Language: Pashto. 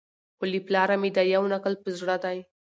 خو له پلاره مي دا یو نکل په زړه دی